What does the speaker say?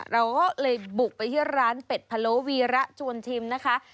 เราก็เลยบุกไปที่ร้านเป็ดพะโลวีระจวนชิมนะคะ